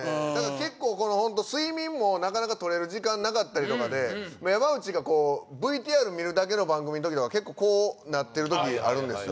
結構このホント睡眠もなかなか取れる時間なかったりとかで山内がこうＶＴＲ見るだけの番組の時とか結構こうなってる時あるんですよ